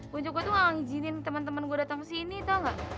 bu joko tuh gak ngizinin temen temen gue dateng kesini tau gak